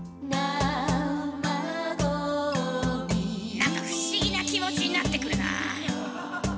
何か不思議な気持ちになってくるなあ。